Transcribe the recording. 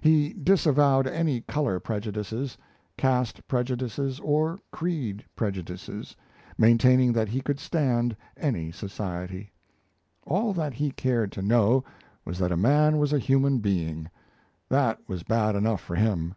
He disavowed any colour prejudices, caste prejudices, or creed prejudices maintaining that he could stand any society. All that he cared to know was that a man was a human being that was bad enough for him!